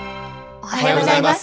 おはようございます。